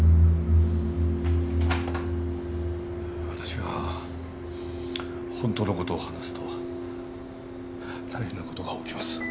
私が本当の事を話すと大変な事が起きます。